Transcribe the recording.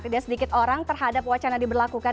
tidak sedikit orang terhadap wacana diberlakukan